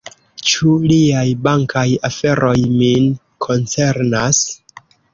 Ĉu liaj bankaj aferoj min koncernas?